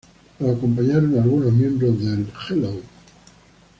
Lo acompañaron algunos miembros del Hello!